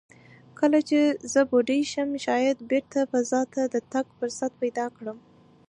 کله چې زه بوډۍ شم، شاید بېرته فضا ته د تګ فرصت پیدا کړم."